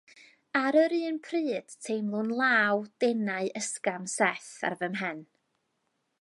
Ar yr un pryd teimlwn law denau ysgafn Seth ar fy mhen.